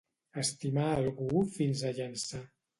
Estimar algú fins a Llançà.